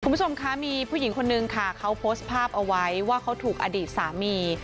คุณผู้ชมคะมีผู้หญิงคนนึงค่ะเขาโพสต์ภาพเอาไว้ว่าเขาถูกอดีตสามี